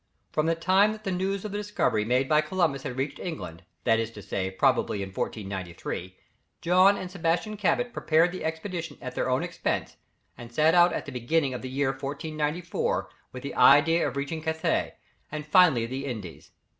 From the time that the news of the discovery made by Columbus had reached England, that is to say, probably in 1493, John and Sebastian Cabot prepared the expedition at their own expense, and set out at the beginning of the year 1494, with the idea of reaching Cathay, and finally the Indies.